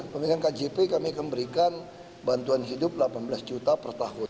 pemilihan kjp kami akan memberikan bantuan hidup delapan belas juta per tahun